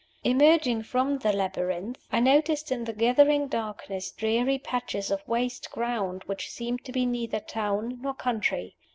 Emerging from the labyrinth, I noticed in the gathering darkness dreary patches of waste ground which seemed to be neither town nor country.